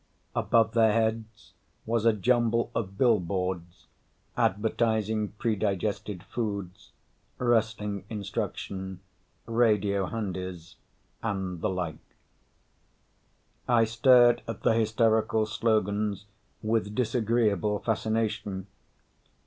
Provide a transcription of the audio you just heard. Above their heads was a jumble of billboards advertising predigested foods, wrestling instruction, radio handies and the like. I stared at the hysterical slogans with disagreeable fascination.